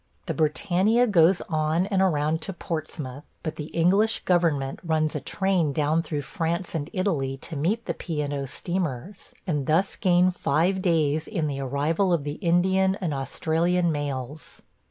The Britannia goes on and around to Portsmouth, but the English government runs a train down through France and Italy to meet the P. and O. steamers, and thus gain five days in the arrival of the Indian and Australian mails.